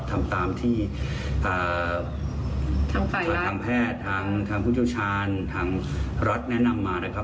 ทำตามที่ทางแพทย์ทางผู้เชี่ยวชาญทางรัฐแนะนำมานะครับ